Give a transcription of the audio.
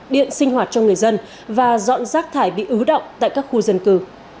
điện sinh hoạt cho người dân và dọn rác thải bị ứ động tại các khu dân cư